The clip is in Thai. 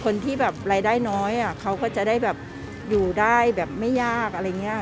คนที่รายได้น้อยเขาก็จะได้อยู่ไม่ยาก